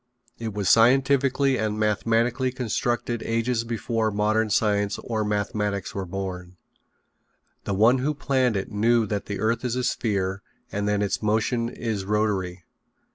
It was scientifically and mathematically constructed ages before modern science or mathematics were born. The one who planned it knew that the earth is a sphere and that its motion is rotary.